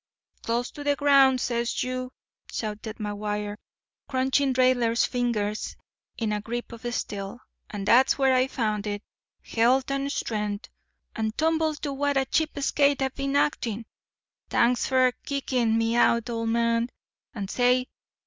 "Close to the ground, says you," shouted McGuire, crunching Raidler's fingers in a grip of steel; "and dat's where I found it—healt' and strengt', and tumbled to what a cheap skate I been actin'. T'anks fer kickin' me out, old man. And—say!